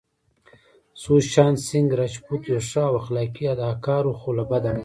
سوشانت سينګ راجپوت يو ښه او اخلاقي اداکار وو خو له بده مرغه